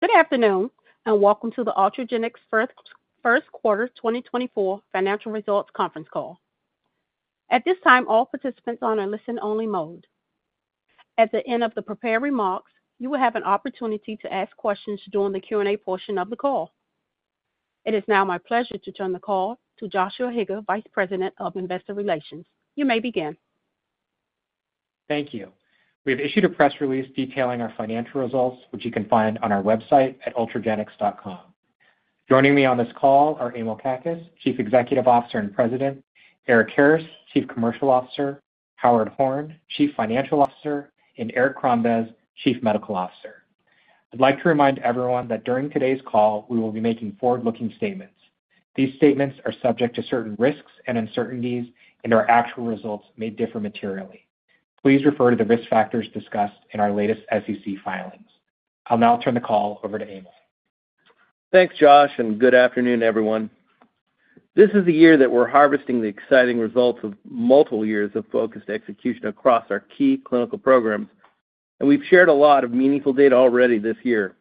Good afternoon, and welcome to the Ultragenyx First Quarter 2024 Financial Results Conference Call. At this time, all participants are on a listen-only mode. At the end of the prepared remarks, you will have an opportunity to ask questions during the Q&A portion of the call. It is now my pleasure to turn the call to Joshua Higa, Vice President of Investor Relations. You may begin. Thank you. We have issued a press release detailing our financial results, which you can find on our website at ultragenyx.com. Joining me on this call are Emil Kakkis, Chief Executive Officer and President, Erik Harris, Chief Commercial Officer, Howard Horn, Chief Financial Officer, and Eric Crombez, Chief Medical Officer. I'd like to remind everyone that during today's call, we will be making forward-looking statements. These statements are subject to certain risks and uncertainties, and our actual results may differ materially. Please refer to the risk factors discussed in our latest SEC filings. I'll now turn the call over to Emil. Thanks, Josh, and good afternoon, everyone. This is the year that we're harvesting the exciting results of multiple years of focused execution across our key clinical programs, and we've shared a lot of meaningful data already this year.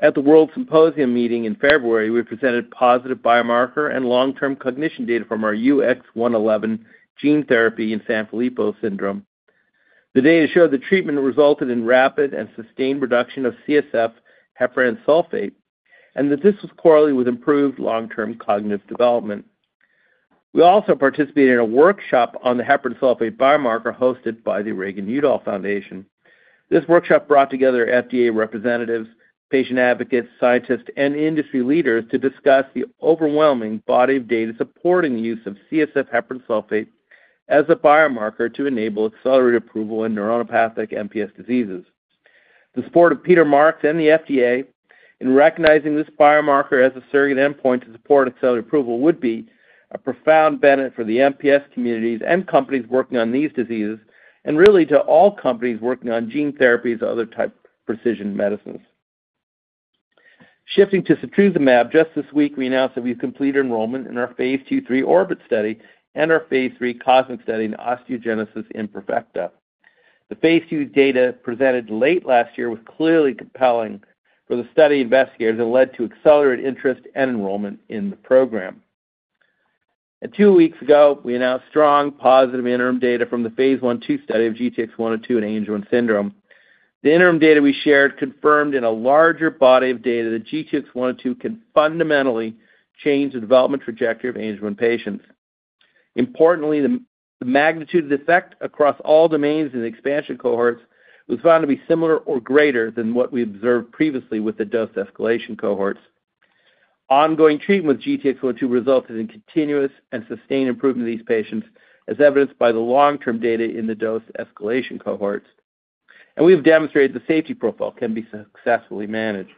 At the World Symposium meeting in February, we presented positive biomarker and long-term cognition data from our UX111 gene therapy in Sanfilippo syndrome. The data showed the treatment resulted in rapid and sustained reduction of CSF heparan sulfate, and that this was correlated with improved long-term cognitive development. We also participated in a workshop on the heparan sulfate biomarker hosted by the Reagan-Udall Foundation. This workshop brought together FDA representatives, patient advocates, scientists, and industry leaders to discuss the overwhelming body of data supporting the use of CSF heparan sulfate as a biomarker to enable accelerated approval in neuronopathic MPS diseases. The support of Peter Marks and the FDA in recognizing this biomarker as a surrogate endpoint to support accelerated approval would be a profound benefit for the MPS communities and companies working on these diseases, and really to all companies working on gene therapies or other type precision medicines. Shifting to setrusumab, just this week, we announced that we've completed enrollment in our phase II/3 ORBIT study and our phase III COSMIC study in osteogenesis imperfecta. The phase II data presented late last year was clearly compelling for the study investigators and led to accelerated interest and enrollment in the program. Two weeks ago, we announced strong positive interim data from the phase I/2 study of GTX-102 in Angelman syndrome. The interim data we shared confirmed in a larger body of data that GTX-102 can fundamentally change the development trajectory of Angelman patients. Importantly, the magnitude of the effect across all domains in the expansion cohorts was found to be similar or greater than what we observed previously with the dose escalation cohorts. Ongoing treatment with GTX-102 resulted in continuous and sustained improvement in these patients, as evidenced by the long-term data in the dose escalation cohorts, and we've demonstrated the safety profile can be successfully managed.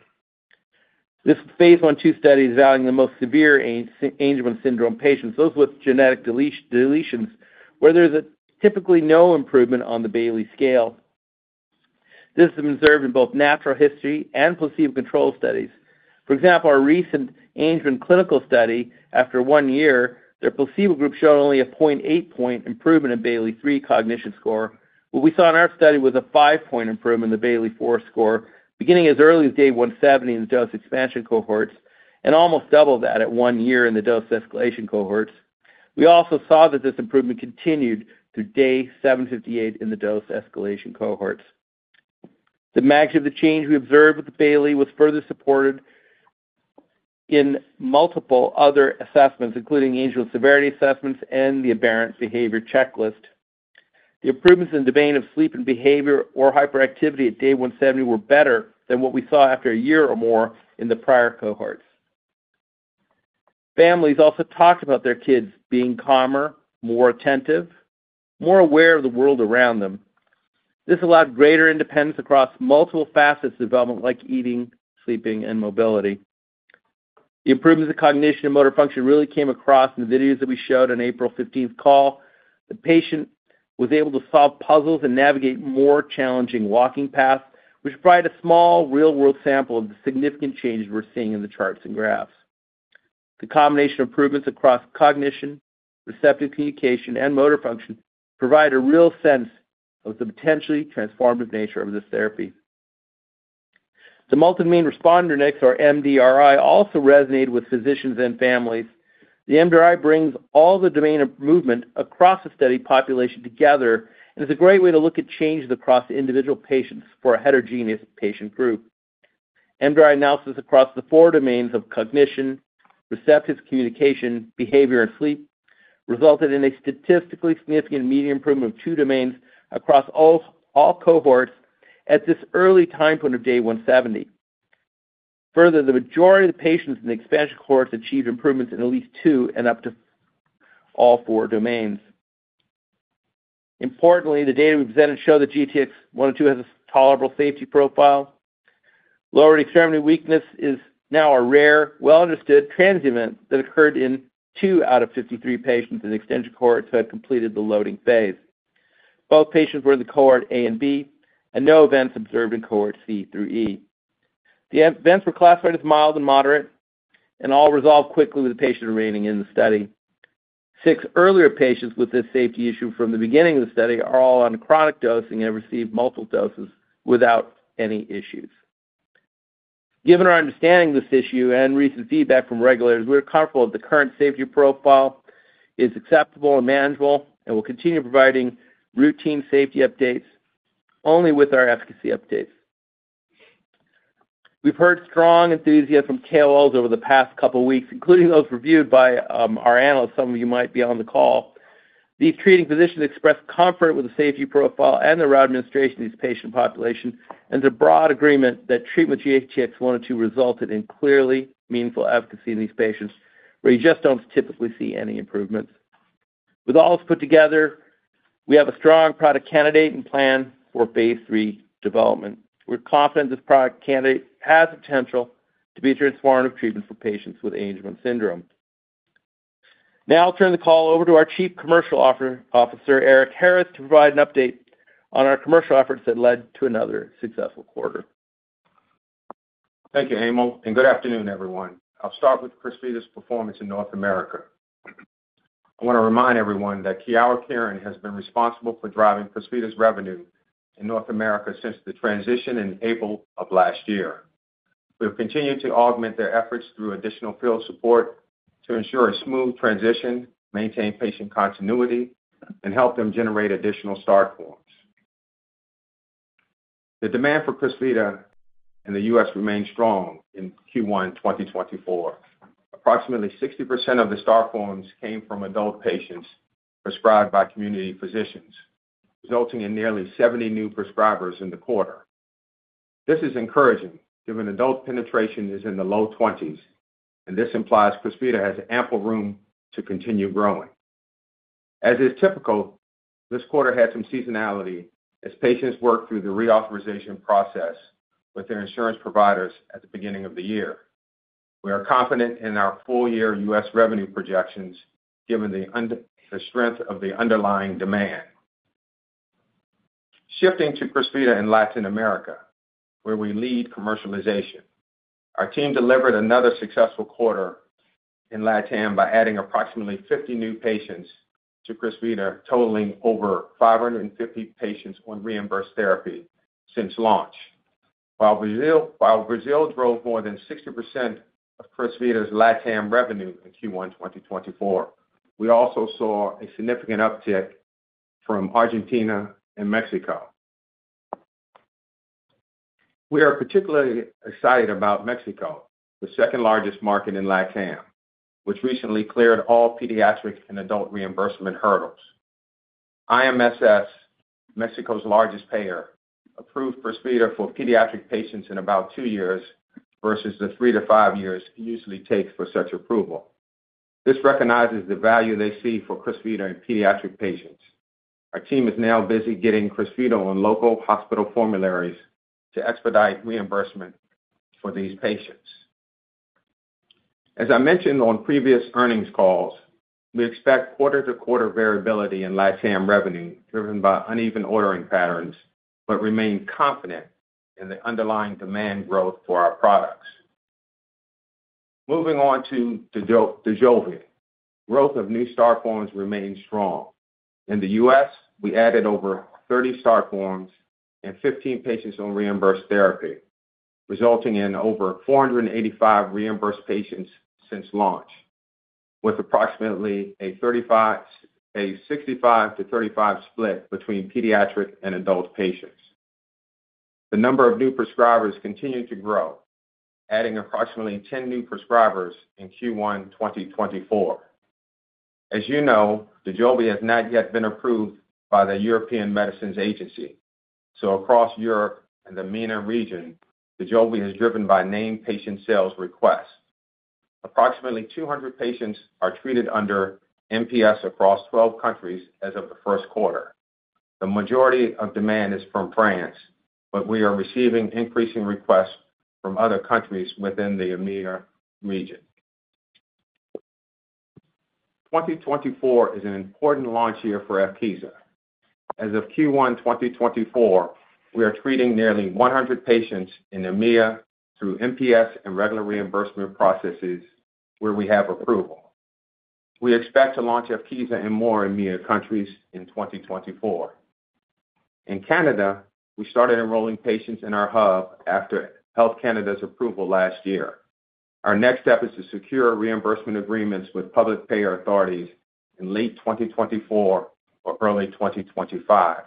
This Phase I/II study is evaluating the most severe Angelman syndrome patients, those with genetic deletions, where there's typically no improvement on the Bayley scale. This is observed in both natural history and placebo-controlled studies. For example, our recent Angelman clinical study, after one year, their placebo group showed only a 0.8-point improvement in Bayley-III cognition score. What we saw in our study was a 5-point improvement in the Bayley-4 score, beginning as early as day 170 in the dose expansion cohorts and almost double that at 1 year in the dose escalation cohorts. We also saw that this improvement continued through day 758 in the dose escalation cohorts. The magnitude of the change we observed with the Bayley was further supported in multiple other assessments, including Angelman severity assessments and the Aberrant Behavior Checklist. The improvements in domain of sleep and behavior or hyperactivity at day 170 were better than what we saw after a year or more in the prior cohorts. Families also talked about their kids being calmer, more attentive, more aware of the world around them. This allowed greater independence across multiple facets of development, like eating, sleeping, and mobility. The improvements in cognition and motor function really came across in the videos that we showed on April 15 call. The patient was able to solve puzzles and navigate more challenging walking paths, which provided a small real-world sample of the significant changes we're seeing in the charts and graphs. The combination of improvements across cognition, receptive communication, and motor function provide a real sense of the potentially transformative nature of this therapy. The Multidomain Responder Index, or MDRI, also resonated with physicians and families. The MDRI brings all the domain improvement across the study population together and is a great way to look at changes across individual patients for a heterogeneous patient group. MDRI analysis across the 4 domains of cognition, receptive communication, behavior, and sleep resulted in a statistically significant medium improvement of 2 domains across all cohorts at this early time point of day 170. Further, the majority of the patients in the expansion cohorts achieved improvements in at least two and up to all four domains. Importantly, the data we presented show that GTX-102 has a tolerable safety profile. Lower extremity weakness is now a rare, well-understood, transient event that occurred in 2 out of 53 patients in extension cohorts who had completed the loading phase. Both patients were in the cohort A and B, and no events observed in cohort C through E. The events were classified as mild and moderate, and all resolved quickly, with the patient remaining in the study. Six earlier patients with this safety issue from the beginning of the study are all on chronic dosing and have received multiple doses without any issues. Given our understanding of this issue and recent feedback from regulators, we're comfortable that the current safety profile is acceptable and manageable, and we'll continue providing routine safety updates only with our efficacy updates. We've heard strong enthusiasm from KOLs over the past couple weeks, including those reviewed by, our analysts. Some of you might be on the call. These treating physicians expressed comfort with the safety profile and the route of administration of these patient population, and the broad agreement that treatment with GTX-102 resulted in clearly meaningful efficacy in these patients, where you just don't typically see any improvements. With all this put together, we have a strong product candidate and plan for phase III development. We're confident this product candidate has the potential to be a transformative treatment for patients with Angelman syndrome. Now I'll turn the call over to our Chief Commercial Officer, Erik Harris, to provide an update on our commercial efforts that led to another successful quarter. Thank you, Emil, and good afternoon, everyone. I'll start with Crysvita's performance in North America. I want to remind everyone that Kyowa Kirin has been responsible for driving Crysvita's revenue in North America since the transition in April of last year. We have continued to augment their efforts through additional field support to ensure a smooth transition, maintain patient continuity, and help them generate additional start forms. The demand for Crysvita in the U.S. remained strong in Q1 2024. Approximately 60% of the start forms came from adult patients prescribed by community physicians, resulting in nearly 70 new prescribers in the quarter. This is encouraging, given adult penetration is in the low 20s, and this implies Crysvita has ample room to continue growing. As is typical, this quarter had some seasonality as patients worked through the reauthorization process with their insurance providers at the beginning of the year. We are confident in our full-year U.S. revenue projections, given the strength of the underlying demand. Shifting to Crysvita in Latin America, where we lead commercialization. Our team delivered another successful quarter in LATAM by adding approximately 50 new patients to Crysvita, totaling over 550 patients on reimbursed therapy since launch. While Brazil, while Brazil drove more than 60% of Crysvita's LATAM revenue in Q1 2024, we also saw a significant uptick from Argentina and Mexico. We are particularly excited about Mexico, the second-largest market in LATAM, which recently cleared all pediatric and adult reimbursement hurdles. IMSS, Mexico's largest payer, approved Crysvita for pediatric patients in about two years versus the three to five years it usually takes for such approval. This recognizes the value they see for Crysvita in pediatric patients. Our team is now busy getting Crysvita on local hospital formularies to expedite reimbursement for these patients. As I mentioned on previous earnings calls, we expect quarter-to-quarter variability in LATAM revenue, driven by uneven ordering patterns, but remain confident in the underlying demand growth for our products. Moving on to Dojolvi. Growth of new start forms remains strong. In the U.S., we added over 30 start forms and 15 patients on reimbursed therapy, resulting in over 485 reimbursed patients since launch, with approximately a 35-- a 65 to 35 split between pediatric and adult patients. The number of new prescribers continued to grow, adding approximately 10 new prescribers in Q1 2024. As you know, Dojolvi has not yet been approved by the European Medicines Agency. So across Europe and the MENA region, Dojolvi is driven by named-patient sales requests. Approximately 200 patients are treated under MPS across 12 countries as of the first quarter. The majority of demand is from France, but we are receiving increasing requests from other countries within the EMEA region. 2024 is an important launch year for Evkeeza. As of Q1 2024, we are treating nearly 100 patients in EMEA through MPS and regular reimbursement processes where we have approval. We expect to launch Evkeeza in more EMEA countries in 2024. In Canada, we started enrolling patients in our hub after Health Canada's approval last year. Our next step is to secure reimbursement agreements with public payer authorities in late 2024 or early 2025.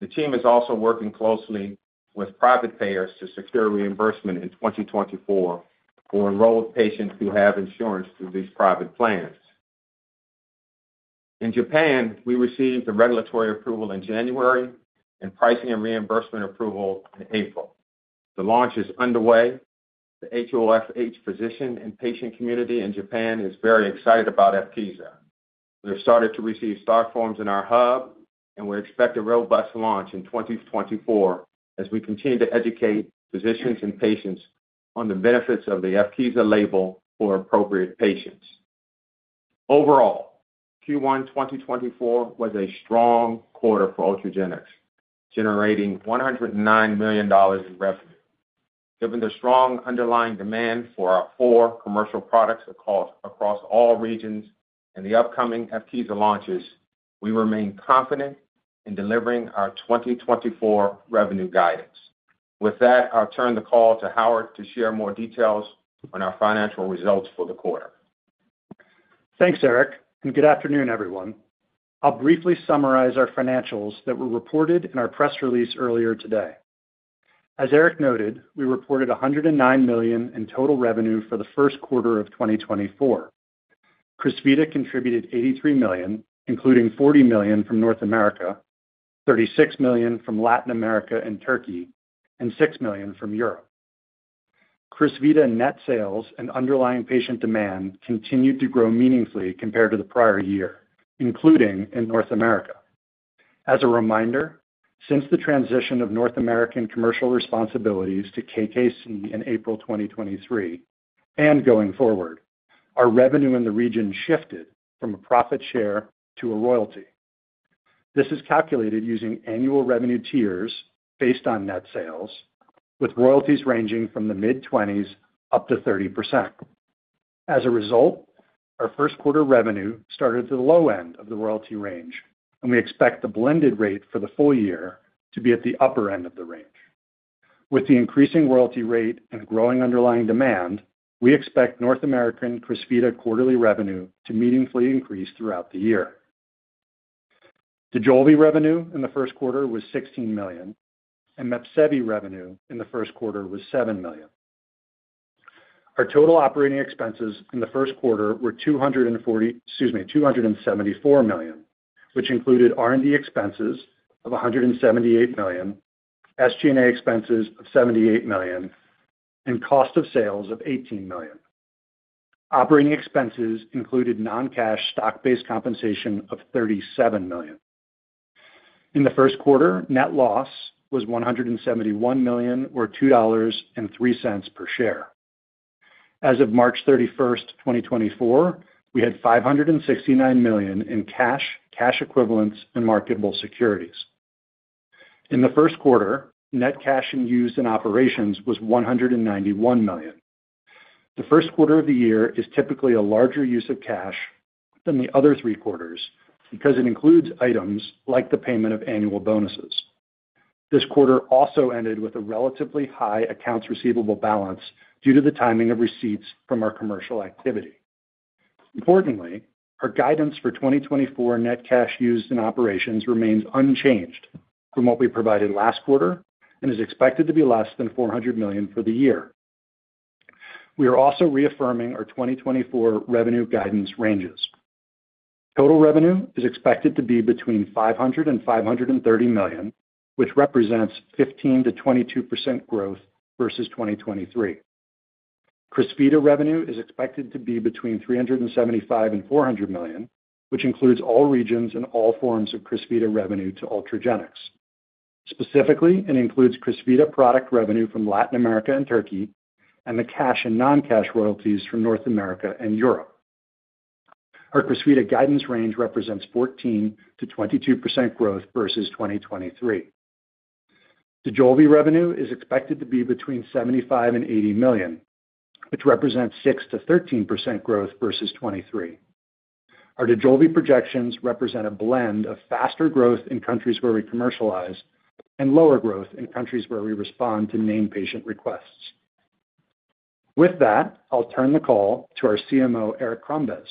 The team is also working closely with private payers to secure reimbursement in 2024 for enrolled patients who have insurance through these private plans. In Japan, we received the regulatory approval in January and pricing and reimbursement approval in April. The launch is underway. The HoFH physician and patient community in Japan is very excited about Evkeeza. We have started to receive start forms in our hub, and we expect a robust launch in 2024 as we continue to educate physicians and patients on the benefits of the Evkeeza label for appropriate patients. Overall, Q1 2024 was a strong quarter for Ultragenyx, generating $109 million in revenue. Given the strong underlying demand for our four commercial products across all regions and the upcoming Evkeeza launches, we remain confident in delivering our 2024 revenue guidance. With that, I'll turn the call to Howard to share more details on our financial results for the quarter. Thanks, Erik, and good afternoon, everyone. I'll briefly summarize our financials that were reported in our press release earlier today. As Erik noted, we reported $109 million in total revenue for the first quarter of 2024. Crysvita contributed $83 million, including $40 million from North America, $36 million from Latin America and Turkey, and $6 million from Europe. Crysvita net sales and underlying patient demand continued to grow meaningfully compared to the prior year, including in North America. As a reminder, since the transition of North American commercial responsibilities to KKC in April 2023, and going forward, our revenue in the region shifted from a profit share to a royalty. This is calculated using annual revenue tiers based on net sales, with royalties ranging from the mid-20s up to 30%. As a result, our first quarter revenue started at the low end of the royalty range, and we expect the blended rate for the full year to be at the upper end of the range. With the increasing royalty rate and growing underlying demand, we expect North American Crysvita quarterly revenue to meaningfully increase throughout the year. The Dojolvi revenue in the first quarter was $16 million, and Mepsevii revenue in the first quarter was $7 million. Our total operating expenses in the first quarter were two hundred and forty, excuse me, $274 million, which included R&D expenses of $178 million, SG&A expenses of $78 million, and cost of sales of $18 million. Operating expenses included non-cash stock-based compensation of $37 million. In the first quarter, net loss was $171 million, or $2.03 per share. As of March 31, 2024, we had $569 million in cash, cash equivalents, and marketable securities. In the first quarter, net cash used in operations was $191 million. The first quarter of the year is typically a larger use of cash than the other three quarters because it includes items like the payment of annual bonuses. This quarter also ended with a relatively high accounts receivable balance due to the timing of receipts from our commercial activity. Importantly, our guidance for 2024 net cash used in operations remains unchanged from what we provided last quarter and is expected to be less than $400 million for the year. We are also reaffirming our 2024 revenue guidance ranges. Total revenue is expected to be between $500 million and $530 million, which represents 15%-22% growth versus 2023. Crysvita revenue is expected to be between $375 million and $400 million, which includes all regions and all forms of Crysvita revenue to Ultragenyx. Specifically, it includes Crysvita product revenue from Latin America and Turkey, and the cash and non-cash royalties from North America and Europe. Our Crysvita guidance range represents 14%-22% growth versus 2023. Dojolvi revenue is expected to be between $75 million and $80 million, which represents 6%-13% growth versus 2023. Our Dojolvi projections represent a blend of faster growth in countries where we commercialize, and lower growth in countries where we respond to named patient requests. With that, I'll turn the call to our CMO, Eric Crombez,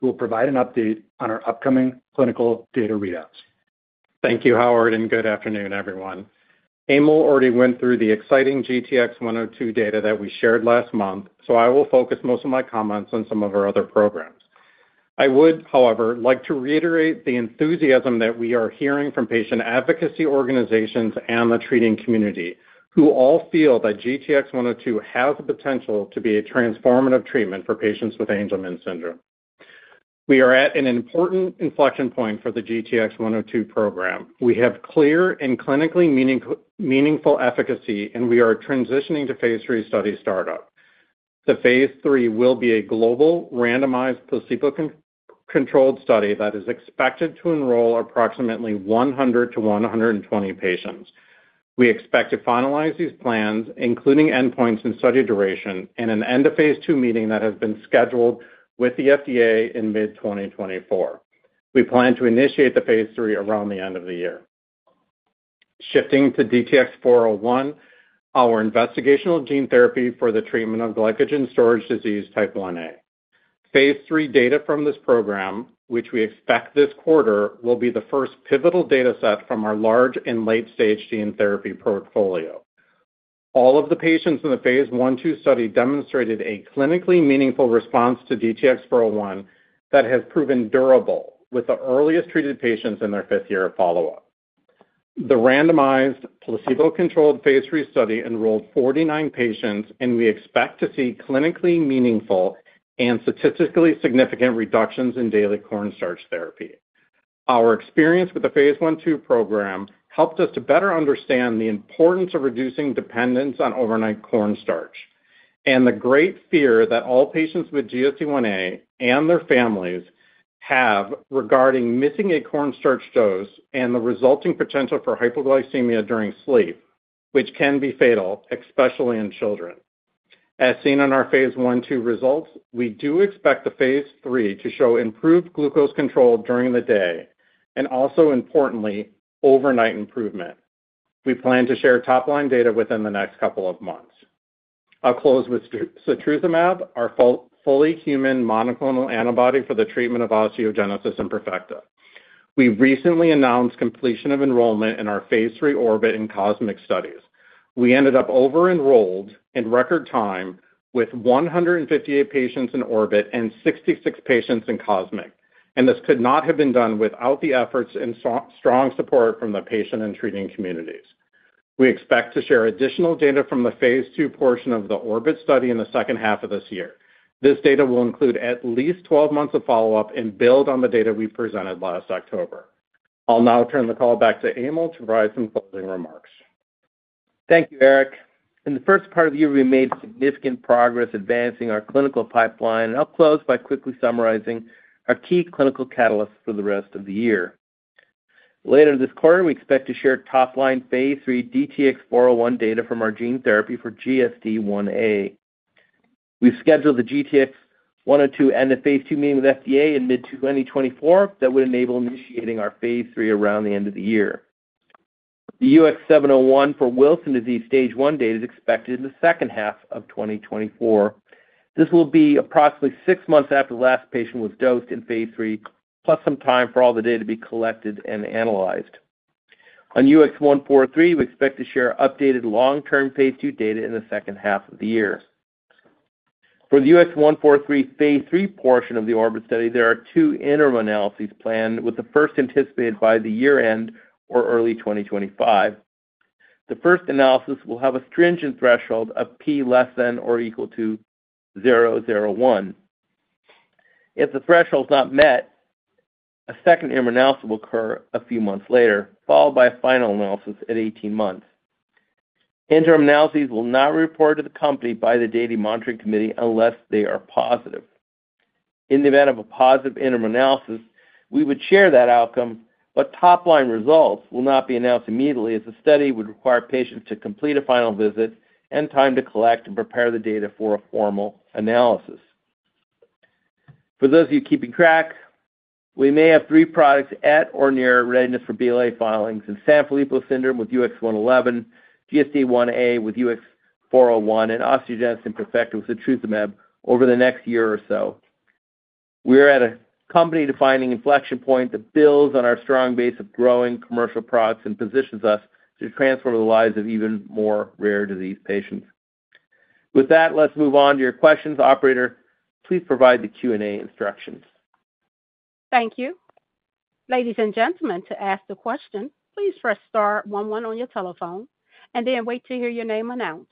who will provide an update on our upcoming clinical data readouts. Thank you, Howard, and good afternoon, everyone. Emil already went through the exciting GTX-102 data that we shared last month, so I will focus most of my comments on some of our other programs. I would, however, like to reiterate the enthusiasm that we are hearing from patient advocacy organizations and the treating community, who all feel that GTX-102 has the potential to be a transformative treatment for patients with Angelman syndrome. We are at an important inflection point for the GTX-102 program. We have clear and clinically meaningful efficacy, and we are transitioning to phase III study startup. The phase III will be a global randomized placebo-controlled study that is expected to enroll approximately 100-120 patients. We expect to finalize these plans, including endpoints and study duration, in an end of phase II meeting that has been scheduled with the FDA in mid-2024. We plan to initiate the phase III around the end of the year. Shifting to DTX-401, our investigational gene therapy for the treatment of glycogen storage disease type I-A. phase III data from this program, which we expect this quarter, will be the first pivotal data set from our large and late-stage gene therapy portfolio. All of the patients in the phase I/II study demonstrated a clinically meaningful response to DTX-401 that has proven durable with the earliest treated patients in their fifth year of follow-up. The randomized, placebo-controlled phase III study enrolled 49 patients, and we expect to see clinically meaningful and statistically significant reductions in daily cornstarch therapy. Our experience with the phase I/II program helped us to better understand the importance of reducing dependence on overnight cornstarch, and the great fear that all patients with GSD1a and their families have regarding missing a cornstarch dose and the resulting potential for hypoglycemia during sleep, which can be fatal, especially in children. As seen on our phase I, II results, we do expect the phase III to show improved glucose control during the day and also, importantly, overnight improvement. We plan to share top-line data within the next couple of months. I'll close with setrusumab, our fully human monoclonal antibody for the treatment of osteogenesis imperfecta. We recently announced completion of enrollment in our phase III ORBIT and COSMIC studies. We ended up over-enrolled in record time with 158 patients in ORBIT and 66 patients in COSMIC, and this could not have been done without the efforts and strong support from the patient and treating communities. We expect to share additional data from the phase II portion of the ORBIT study in the second half of this year. This data will include at least 12 months of follow-up and build on the data we presented last October. I'll now turn the call back to Emil to provide some closing remarks. Thank you, Eric. In the first part of the year, we made significant progress advancing our clinical pipeline, and I'll close by quickly summarizing our key clinical catalysts for the rest of the year. Later this quarter, we expect to share top-line phase III DTX401 data from our gene therapy for GSD1a. We've scheduled the GTX-102 and the phase II meeting with FDA in mid-2024 that would enable initiating our phase III around the end of the year. The UX701 for Wilson disease stage 1 data is expected in the second half of 2024. This will be approximately six months after the last patient was dosed in phase III, plus some time for all the data to be collected and analyzed. On UX143, we expect to share updated long-term phase II data in the second half of the year. For the UX143 phase III portion of the ORBIT study, there are two interim analyses planned, with the first anticipated by the year-end or early 2025. The first analysis will have a stringent threshold of P less than or equal to 0.001. If the threshold is not met, a second interim analysis will occur a few months later, followed by a final analysis at 18 months. Interim analyses will not be reported to the company by the Data Monitoring Committee unless they are positive. In the event of a positive interim analysis, we would share that outcome, but top-line results will not be announced immediately, as the study would require patients to complete a final visit and time to collect and prepare the data for a formal analysis. For those of you keeping track, we may have three products at or near readiness for BLA filings in Sanfilippo syndrome with UX111, GSD1a with DTX401, and osteogenesis imperfecta with setrusumab over the next year or so. We are at a company-defining inflection point that builds on our strong base of growing commercial products and positions us to transform the lives of even more rare disease patients. With that, let's move on to your questions. Operator, please provide the Q&A instructions. Thank you. Ladies and gentlemen, to ask a question, please press star one one on your telephone and then wait to hear your name announced.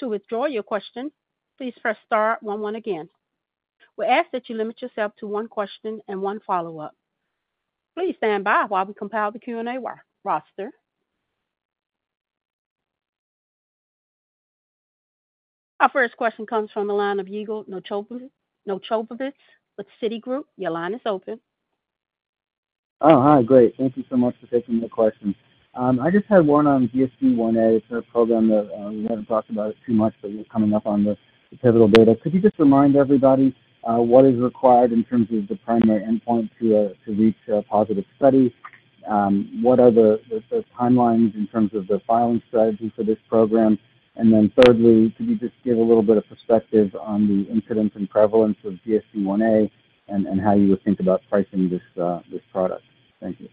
To withdraw your question, please press star one one again. We ask that you limit yourself to one question and one follow-up. Please stand by while we compile the Q&A roster. Our first question comes from the line of Yigal Nochomovitz with Citigroup. Your line is open. Oh, hi. Great, thank you so much for taking my questions. I just had one on GSD1a. It's a program that, we haven't talked about it too much, but you're coming up on the, the pivotal data. Could you just remind everybody, what is required in terms of the primary endpoint to, to reach a positive study? What are the, the, the timelines in terms of the filing strategy for this program? And then thirdly, could you just give a little bit of perspective on the incidence and prevalence of GSD1a and, and how you would think about pricing this, this product? Thank you.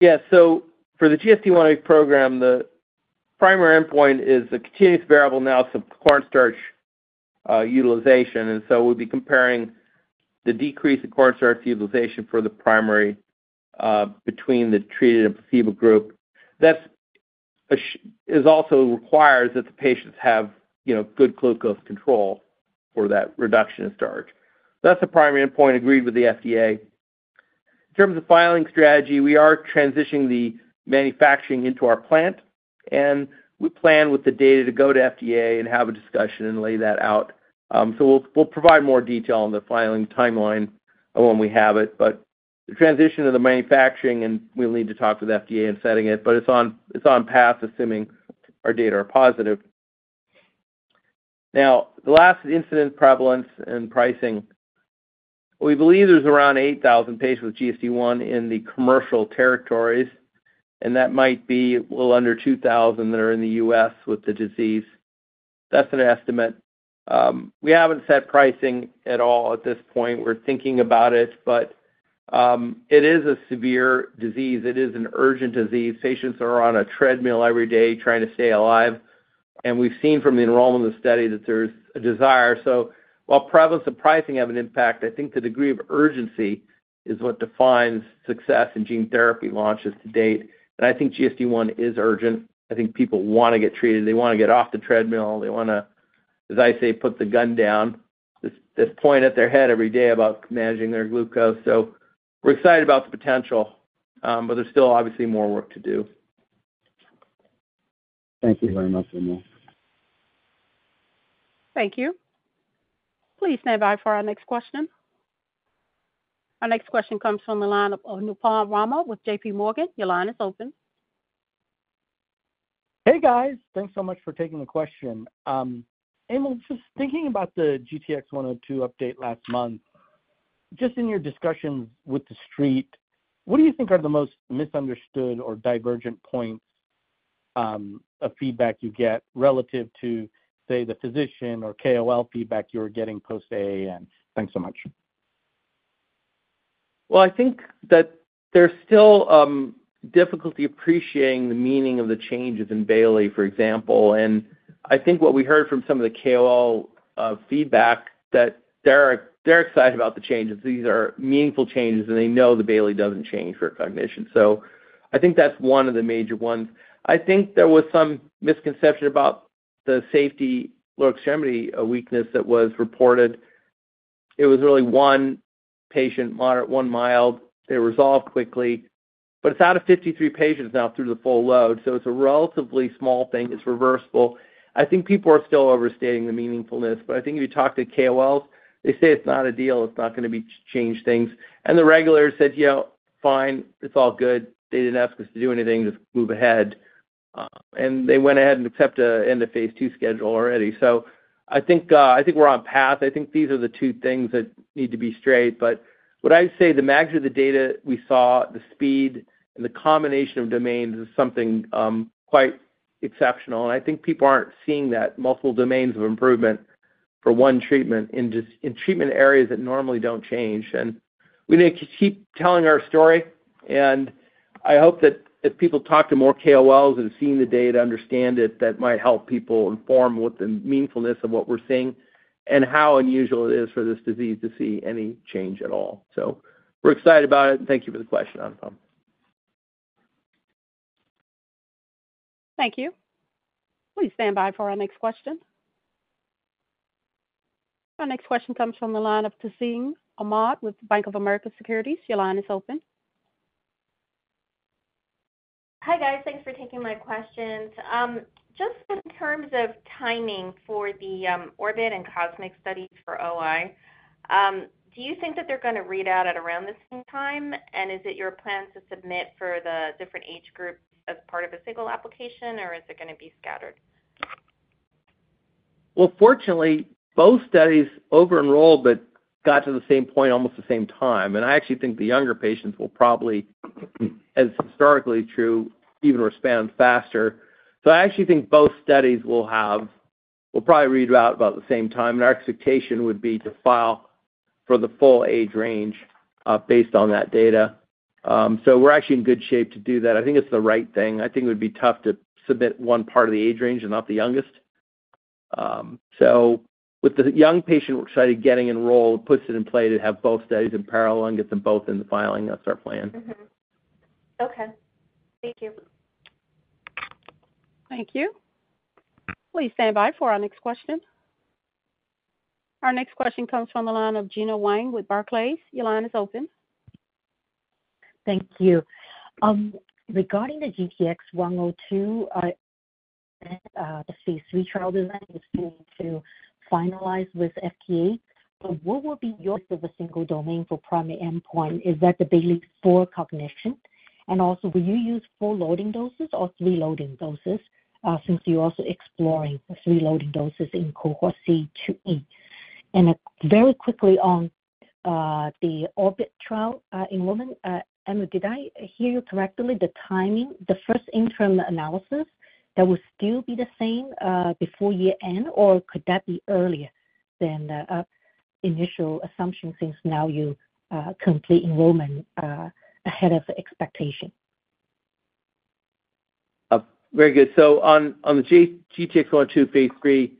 Yeah. So for the GSD1A program, the primary endpoint is a continuous variable now, so cornstarch utilization. And so we'll be comparing the decrease in cornstarch utilization for the primary between the treated and placebo group. That's also requires that the patients have, you know, good glucose control for that reduction in starch. That's the primary endpoint agreed with the FDA. In terms of filing strategy, we are transitioning the manufacturing into our plant, and we plan with the data to go to FDA and have a discussion and lay that out. So we'll provide more detail on the filing timeline when we have it. But the transition to the manufacturing, and we'll need to talk with FDA in setting it, but it's on path, assuming our data are positive. Now, the last incidence, prevalence and pricing. We believe there's around 8,000 patients with GSD1 in the commercial territories, and that might be a little under 2,000 that are in the US with the disease. That's an estimate. We haven't set pricing at all at this point. We're thinking about it, but it is a severe disease. It is an urgent disease. Patients are on a treadmill every day trying to stay alive, and we've seen from the enrollment of the study that there's a desire. So while prevalence and pricing have an impact, I think the degree of urgency is what defines success in gene therapy launches to date. And I think GSD1 is urgent. I think people wanna get treated, they wanna get off the treadmill, they wanna, as I say, put the gun down, this, this point at their head every day about managing their glucose. We're excited about the potential, but there's still obviously more work to do. Thank you very much, Emil. Thank you. Please stand by for our next question. Our next question comes from the line of Anupam Rama with JPMorgan. Your line is open. Hey, guys. Thanks so much for taking the question. Emil, just thinking about the GTX-102 update last month, just in your discussions with the street, what do you think are the most misunderstood or divergent points of feedback you get relative to, say, the physician or KOL feedback you're getting post AAN? Thanks so much. Well, I think that there's still difficulty appreciating the meaning of the changes in Bayley, for example. And I think what we heard from some of the KOL feedback, that they're, they're excited about the changes. These are meaningful changes, and they know the Bayley doesn't change for cognition. So I think that's one of the major ones. I think there was some misconception about the safety, lower extremity weakness that was reported. It was really one patient, moderate, one mild. They resolved quickly, but it's out of 53 patients now through the full load, so it's a relatively small thing. It's reversible. I think people are still overstating the meaningfulness, but I think if you talk to KOLs, they say it's not a deal. It's not gonna be change things. And the regulators said, "Yeah, fine. It's all good." They didn't ask us to do anything, just move ahead. And they went ahead and accepted the end of phase II schedule already. So I think, I think we're on path. I think these are the two things that need to be straight. But would I say the magnitude of the data we saw, the speed and the combination of domains is something, quite exceptional, and I think people aren't seeing that multiple domains of improvement for one treatment in just, in treatment areas that normally don't change. And we need to keep telling our story, and I hope that as people talk to more KOLs and seeing the data, understand it, that might help people inform what the meaningfulness of what we're seeing and how unusual it is for this disease to see any change at all. We're excited about it, and thank you for the question, Anupam. Thank you. Please stand by for our next question. Our next question comes from the line of Tazeen Ahmad with Bank of America Securities. Your line is open. Hi, guys. Thanks for taking my questions. Just in terms of timing for the ORBIT and COSMIC studies for OI, do you think that they're gonna read out at around the same time? And is it your plan to submit for the different age groups as part of a single application, or is it gonna be scattered? Well, fortunately, both studies over enrolled, but got to the same point, almost the same time, and I actually think the younger patients will probably, as historically true, even respond faster. So I actually think both studies will probably read out about the same time. And our expectation would be to file for the full age range, based on that data. So we're actually in good shape to do that. I think it's the right thing. I think it would be tough to submit one part of the age range and not the youngest. So with the young patient, we're excited getting enrolled. It puts it in play to have both studies in parallel and get them both in the filing. That's our plan. Mm-hmm. Okay. Thank you. Thank you. Please stand by for our next question. Our next question comes from the line of Gena Wang with Barclays. Your line is open. Thank you. Regarding the GTX-102, the phase III trial design, you still need to finalize with FDA. But what would be your of a single domain for primary endpoint? Is that the Bayley-4 cognition? And also, will you use four loading doses or three loading doses, since you're also exploring the three loading doses in cohort C to E? And, very quickly on, the ORBIT trial, enrollment, Emil, did I hear you correctly, the timing, the first interim analysis, that would still be the same, before year-end, or could that be earlier than the, initial assumption, since now you, complete enrollment, ahead of expectation? Very good. So on the GTX-102 phase III,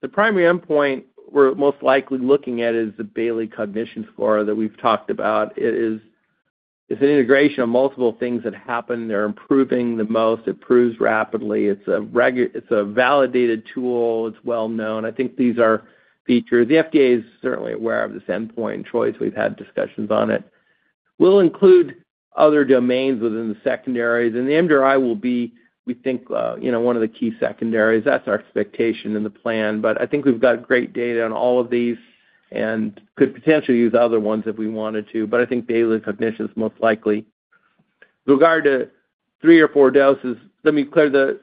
the primary endpoint we're most likely looking at is the Bayley Cognition Score that we've talked about. It is, it's an integration of multiple things that happen. They're improving the most. It proves rapidly. It's a validated tool. It's well-known. I think these are features. The FDA is certainly aware of this endpoint choice. We've had discussions on it. We'll include other domains within the secondaries, and the MDRI will be, we think, you know, one of the key secondaries. That's our expectation and the plan, but I think we've got great data on all of these and could potentially use other ones if we wanted to, but I think Bayley Cognition is most likely. With regard to three or four doses, let me be clear, the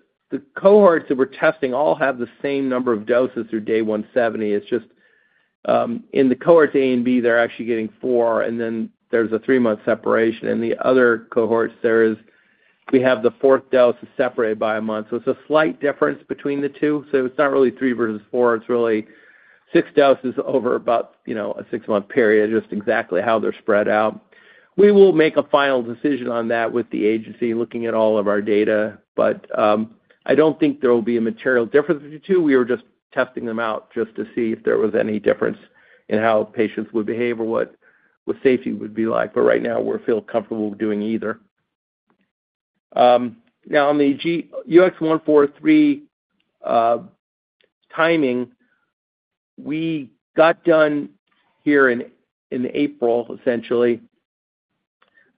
cohorts that we're testing all have the same number of doses through day 170. It's just, in the cohorts A and B, they're actually getting four, and then there's a three-month separation. In the other cohorts, there is, we have the fourth dose separated by a month. So it's a slight difference between the two. So it's not really three versus four. It's really six doses over about, you know, a six-month period, just exactly how they're spread out. We will make a final decision on that with the agency, looking at all of our data. But, I don't think there will be a material difference between the two. We were just testing them out just to see if there was any difference in how patients would behave or what, what safety would be like. But right now, we feel comfortable doing either. Now on the UX143, timing, we got done here in April, essentially.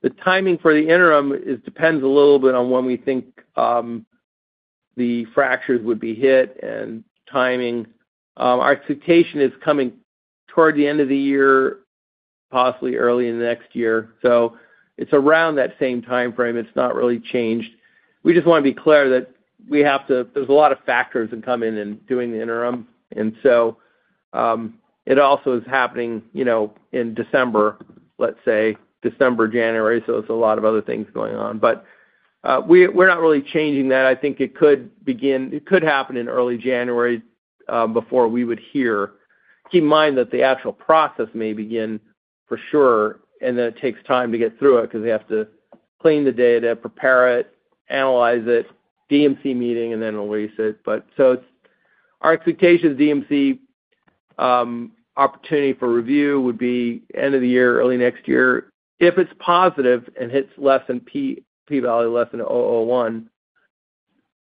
The timing for the interim is depends a little bit on when we think the fractures would be hit and timing. Our expectation is coming toward the end of the year, possibly early in the next year. So it's around that same time frame. It's not really changed. We just want to be clear that we have to. There's a lot of factors that come in in doing the interim, and so, it also is happening, you know, in December, let's say December, January. So there's a lot of other things going on, but we're not really changing that. I think it could happen in early January before we would hear. Keep in mind that the actual process may begin for sure, and then it takes time to get through it because they have to clean the data, prepare it, analyze it, DMC meeting, and then release it. But it's our expectation is DMC opportunity for review would be end of the year, early next year. If it's positive and hits p-value less than 0.01,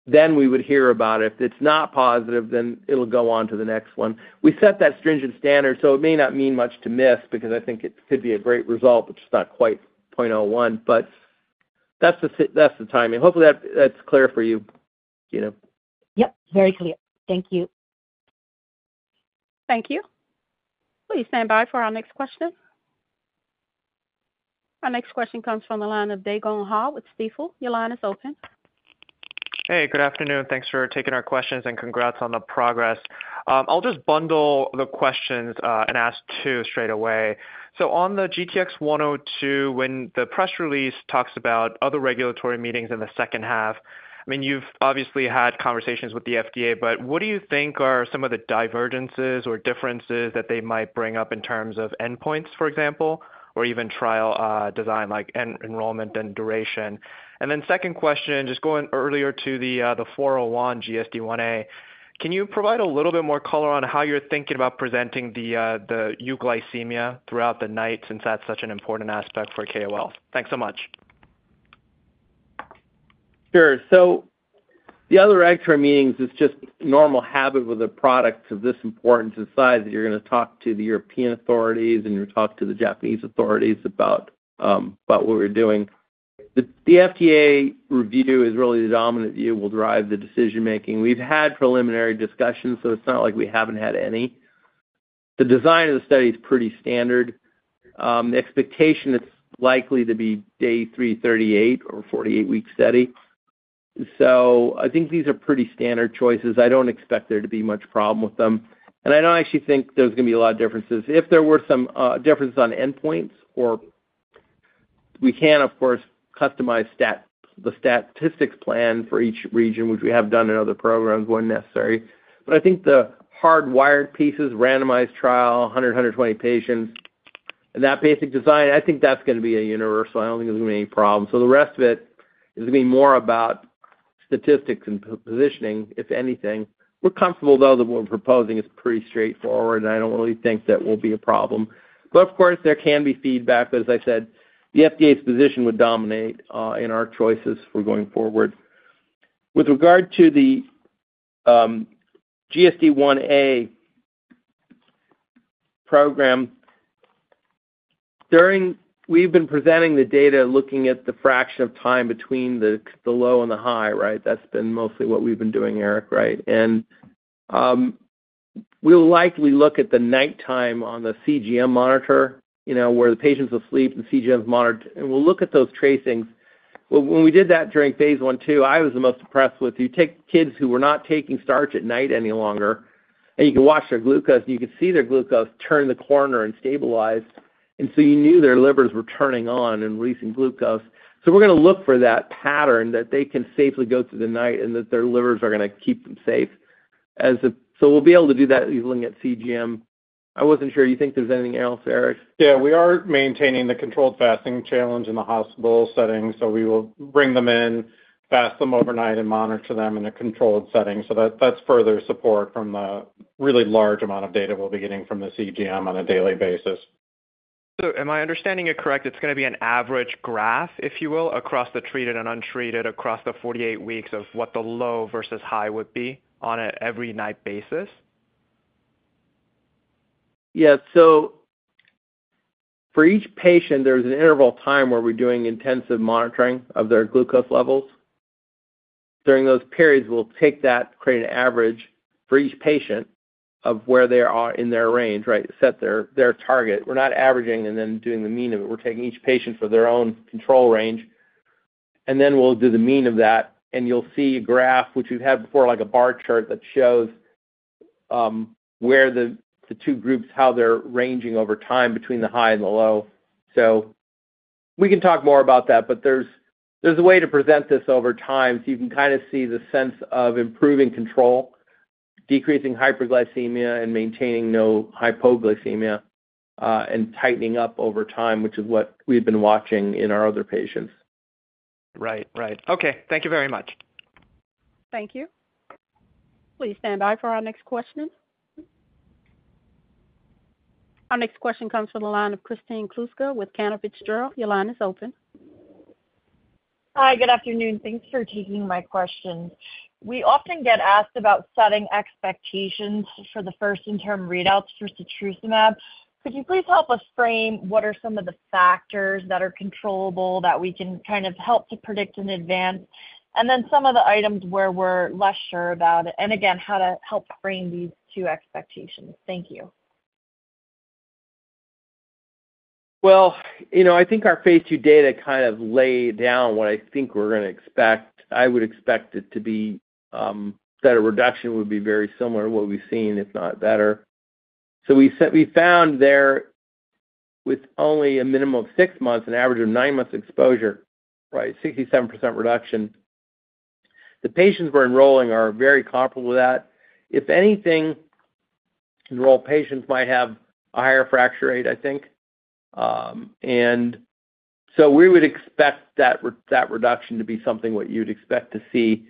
then we would hear about it. If it's not positive, then it'll go on to the next one. We set that stringent standard, so it may not mean much to miss because I think it could be a great result, but just not quite 0.01. But that's the timing. Hopefully, that's clear for you, Gena. Yep, very clear. Thank you. Thank you. Please stand by for our next question. Our next question comes from the line of Dae Gon Ha with Stifel. Your line is open. Hey, good afternoon. Thanks for taking our questions, and congrats on the progress. I'll just bundle the questions, and ask two straight away. So on the GTX-102, when the press release talks about other regulatory meetings in the second half, I mean, you've obviously had conversations with the FDA, but what do you think are some of the divergences or differences that they might bring up in terms of endpoints, for example, or even trial design, like enrollment and duration? And then second question, just going earlier to the 401 GSD1a, can you provide a little bit more color on how you're thinking about presenting the euglycemia throughout the night, since that's such an important aspect for KOL? Thanks so much. Sure. So the other regulatory meetings is just normal habit with a product of this importance and size, that you're going to talk to the European authorities, and you talk to the Japanese authorities about what we're doing. The FDA review is really the dominant view, will drive the decision making. We've had preliminary discussions, so it's not like we haven't had any. The design of the study is pretty standard. The expectation, it's likely to be day 338 or 48-week study. So I think these are pretty standard choices. I don't expect there to be much problem with them, and I don't actually think there's going to be a lot of differences. If there were some differences on endpoints, or we can, of course, customize the statistics plan for each region, which we have done in other programs when necessary. But I think the hardwired pieces, randomized trial, 100-120 patients, and that basic design, I think that's going to be a universal. I don't think there's going to be any problem. So the rest of it is going to be more about statistics and positioning, if anything. We're comfortable, though, that what we're proposing is pretty straightforward, and I don't really think that will be a problem. But of course, there can be feedback. But as I said, the FDA's position would dominate in our choices for going forward. With regard to the GSD1a program, we've been presenting the data, looking at the fraction of time between the low and the high, right? That's been mostly what we've been doing, Eric, right? We'll likely look at the nighttime on the CGM monitor, you know, where the patient's asleep, the CGM is monitored, and we'll look at those tracings. When we did that during phase I/II, I was the most impressed with, you take kids who were not taking starch at night any longer, and you can watch their glucose, and you could see their glucose turn the corner and stabilize. And so you knew their livers were turning on and releasing glucose. So we're going to look for that pattern that they can safely go through the night and that their livers are going to keep them safe. So we'll be able to do that using CGM. I wasn't sure, you think there's anything else, Eric? Yeah, we are maintaining the controlled fasting challenge in the hospital setting, so we will bring them in, fast them overnight, and monitor them in a controlled setting. So that's further support from the really large amount of data we'll be getting from the CGM on a daily basis. Am I understanding it correct, it's going to be an average graph, if you will, across the treated and untreated, across the 48 weeks of what the low versus high would be on an every night basis? Yeah. So for each patient, there's an interval time where we're doing intensive monitoring of their glucose levels. During those periods, we'll take that to create an average for each patient of where they are in their range, right? Set their, their target. We're not averaging and then doing the mean of it. We're taking each patient for their own control range, and then we'll do the mean of that, and you'll see a graph, which we've had before, like a bar chart that shows where the, the two groups, how they're ranging over time between the high and the low. So we can talk more about that, but there's a way to present this over time, so you can kind of see the sense of improving control, decreasing hyperglycemia, and maintaining no hypoglycemia, and tightening up over time, which is what we've been watching in our other patients. Right. Right. Okay, thank you very much. Thank you. Please stand by for our next question. Our next question comes from the line of Kristen Kluska with Cantor Fitzgerald. Your line is open. Hi, good afternoon. Thanks for taking my questions. We often get asked about setting expectations for the first interim readouts for setrusumab. Could you please help us frame what are some of the factors that are controllable that we can kind of help to predict in advance, and then some of the items where we're less sure about, and again, how to help frame these two expectations? Thank you. Well, you know, I think our phase II data kind of lay down what I think we're gonna expect. I would expect it to be that a reduction would be very similar to what we've seen, if not better. So we found there, with only a minimum of six months, an average of nine months exposure, right, 67% reduction. The patients we're enrolling are very comparable to that. If anything, enrolled patients might have a higher fracture rate, I think. And so we would expect that reduction to be something what you'd expect to see.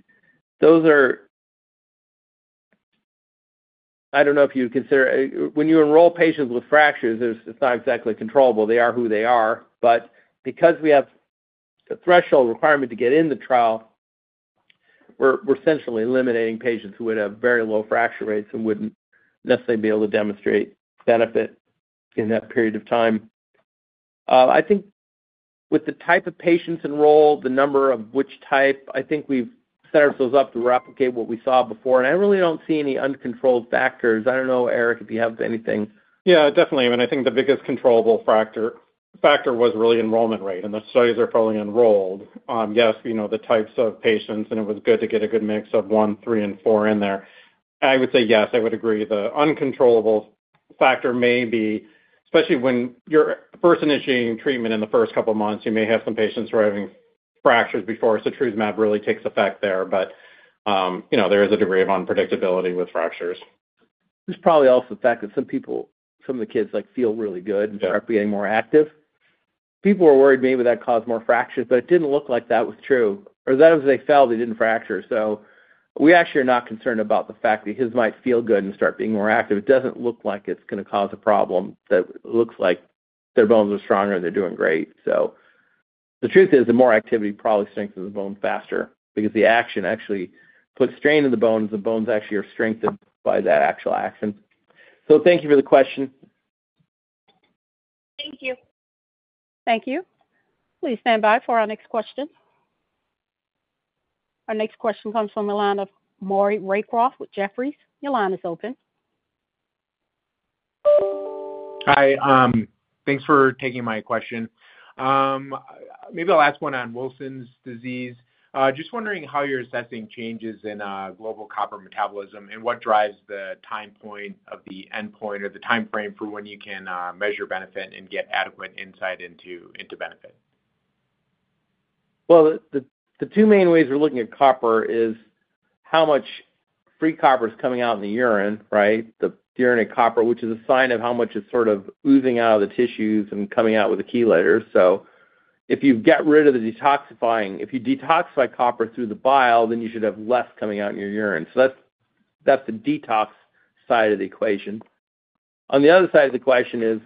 Those are-I don't know if you consider when you enroll patients with fractures, it's not exactly controllable. They are who they are. But because we have a threshold requirement to get in the trial, we're, we're essentially eliminating patients who would have very low fracture rates and wouldn't necessarily be able to demonstrate benefit in that period of time. I think with the type of patients enrolled, the number of which type, I think we've set ourselves up to replicate what we saw before, and I really don't see any uncontrolled factors. I don't know, Eric, if you have anything. Yeah, definitely. I mean, I think the biggest controllable factor was really enrollment rate, and the studies are fully enrolled. Yes, you know, the types of patients, and it was good to get a good mix of one, three, and four in there. I would say yes, I would agree. The uncontrollable factor may be, especially when you're first initiating treatment in the first couple of months, you may have some patients who are having fractures before setrusumab really takes effect there. But, you know, there is a degree of unpredictability with fractures. It's probably also the fact that some people, some of the kids like, feel really good. Sure. And start getting more active. People were worried maybe that caused more fractures, but it didn't look like that was true, or that if they fell, they didn't fracture. So we actually are not concerned about the fact the kids might feel good and start being more active. It doesn't look like it's gonna cause a problem. That looks like their bones are stronger, they're doing great. So the truth is, the more activity probably strengthens the bone faster because the action actually puts strain on the bones. The bones actually are strengthened by that actual action. So thank you for the question. Thank you. Thank you. Please stand by for our next question. Our next question comes from the line of Maury Raycroft with Jefferies. Your line is open. Hi, thanks for taking my question. Maybe I'll ask one on Wilson's disease. Just wondering how you're assessing changes in global copper metabolism, and what drives the time point of the endpoint or the timeframe for when you can measure benefit and get adequate insight into benefit? Well, the two main ways we're looking at copper is how much free copper is coming out in the urine, right? The urinary copper, which is a sign of how much it's sort of oozing out of the tissues and coming out with the chelators. So if you get rid of the detoxifying, if you detoxify copper through the bile, then you should have less coming out in your urine. So that's the detox side of the equation. On the other side of the equation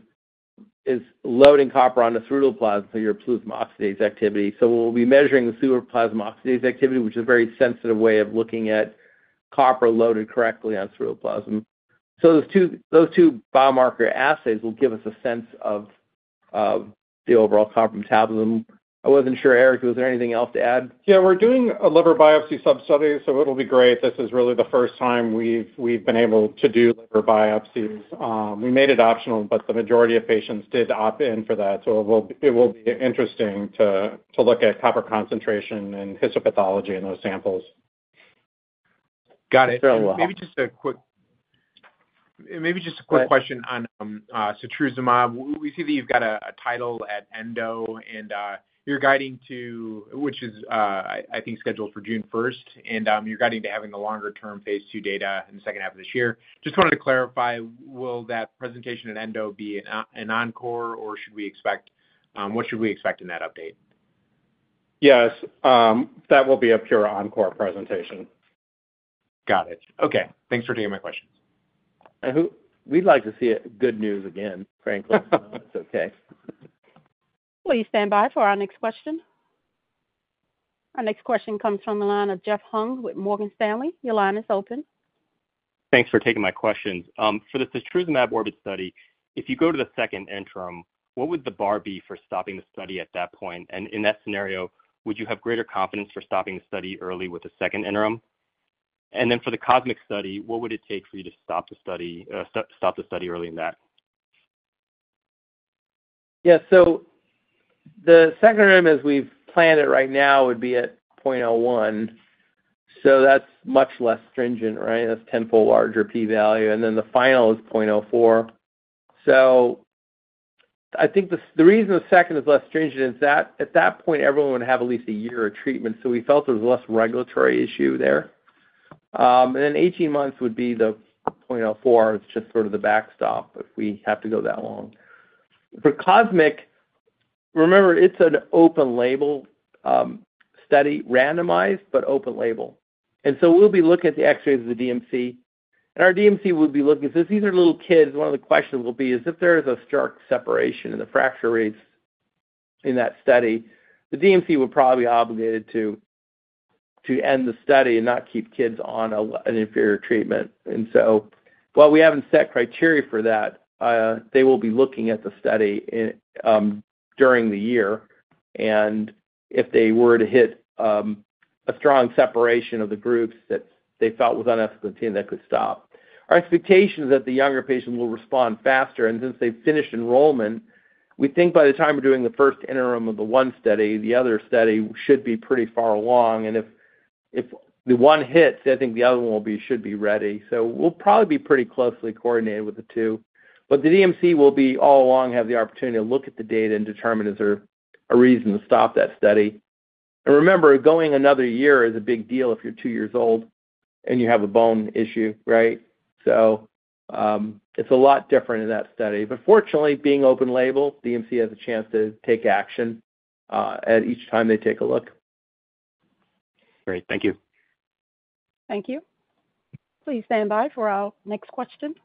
is loading copper onto ceruloplasmin, so your plasma oxidase activity. So we'll be measuring the ceruloplasmin oxidase activity, which is a very sensitive way of looking at copper loaded correctly on ceruloplasmin. So those two biomarker assays will give us a sense of the overall copper metabolism. I wasn't sure, Eric, was there anything else to add? Yeah, we're doing a liver biopsy sub-study, so it'll be great. This is really the first time we've been able to do liver biopsies. We made it optional, but the majority of patients did opt in for that. So it will be interesting to look at copper concentration and histopathology in those samples. Got it. Very well. Maybe just a quick question? Go ahead. On setrusumab, we see that you've got a title at Endo, and you're guiding to -which is, I think scheduled for June first, and you're guiding to having the longer-term phase II data in the second half of this year. Just wanted to clarify, will that presentation at Endo be an encore, or should we expect-what should we expect in that update? Yes, that will be a pure encore presentation. Got it. Okay, thanks for taking my questions. We'd like to see it good news again, frankly. It's okay. Please stand by for our next question. Our next question comes from the line of Jeff Hung with Morgan Stanley. Your line is open. Thanks for taking my questions. For the setrusumab ORBIT study, if you go to the second interim, what would the bar be for stopping the study at that point? And in that scenario, would you have greater confidence for stopping the study early with the second interim? And then for the COSMIC study, what would it take for you to stop the study early in that? Yeah, so the second interim, as we've planned it right now, would be at 0.01. So that's much less stringent, right? That's tenfold larger p-value, and then the final is 0.04. So I think the, the reason the second is less stringent is that at that point, everyone would have at least a year of treatment. So we felt there was less regulatory issue there. And then 18 months would be the 0.04. It's just sort of the backstop if we have to go that long. For COSMIC. Remember, it's an open label study, randomized, but open label. And so we'll be looking at the X-rays of the DMC, and our DMC will be looking, since these are little kids, one of the questions will be is if there is a stark separation in the fracture rates in that study, the DMC will probably be obligated to end the study and not keep kids on an inferior treatment. And so while we haven't set criteria for that, they will be looking at the study during the year, and if they were to hit a strong separation of the groups that they felt was unethical, that could stop. Our expectation is that the younger patient will respond faster, and since they've finished enrollment, we think by the time we're doing the first interim of the one study, the other study should be pretty far along. And if the one hits, I think the other one will be, should be ready. So we'll probably be pretty closely coordinated with the two. But the DMC will be all along have the opportunity to look at the data and determine, is there a reason to stop that study? And remember, going another year is a big deal if you're two years old and you have a bone issue, right? So, it's a lot different in that study. But fortunately, being open label, DMC has a chance to take action at each time they take a look. Great. Thank you. Thank you. Please stand by for our next question.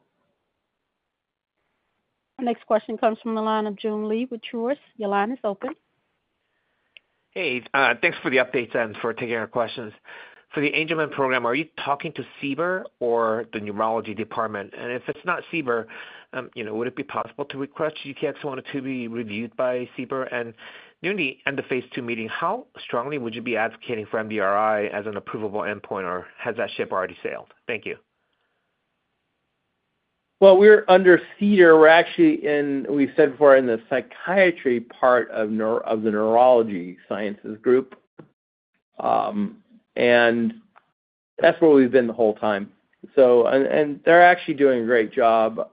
Our next question comes from the line of Joon Lee with Truist. Your line is open. Hey, thanks for the updates and for taking our questions. For the Angelman program, are you talking to CBER or the neurology department? And if it's not CBER, you know, would it be possible to request GTX-102 to be reviewed by CBER? And during the end-of-phase II meeting, how strongly would you be advocating for MDRI as an approvable endpoint, or has that ship already sailed? Thank you. Well, we're under CDER. We're actually in, we've said before, in the psychiatry part of the neurology sciences group. And that's where we've been the whole time. So, and they're actually doing a great job.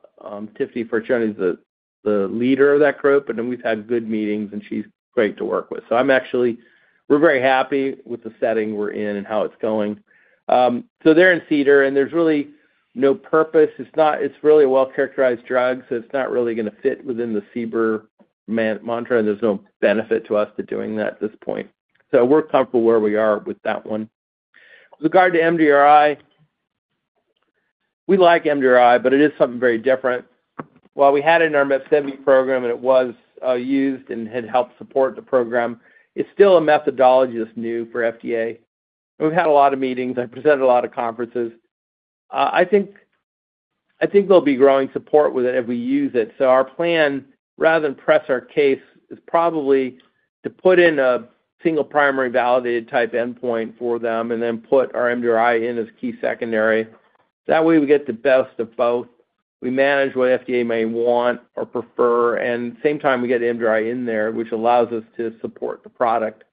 Tiffany Farchione is the leader of that group, and then we've had good meetings, and she's great to work with. So I'm actually, we're very happy with the setting we're in and how it's going. So they're in CDER, and there's really no purpose. It's not, it's really a well-characterized drug, so it's not really gonna fit within the CBER mantra, and there's no benefit to us to doing that at this point. So we're comfortable where we are with that one. With regard to MDRI, we like MDRI, but it is something very different. While we had it in our Mepsevii program, and it was, used and had helped support the program, it's still a methodology that's new for FDA. We've had a lot of meetings and presented a lot of conferences. I think, I think there'll be growing support with it if we use it. So our plan, rather than press our case, is probably to put in a single primary validated type endpoint for them and then put our MDRI in as key secondary. That way, we get the best of both. We manage what FDA may want or prefer, and same time, we get MDRI in there, which allows us to support the product.